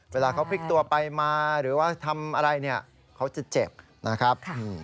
เวลาเขาพลิกตัวไปมาหรือว่าทำอะไรเนี่ยเขาจะเจ็บนะครับ